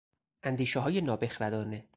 اندیشههای نابخردانه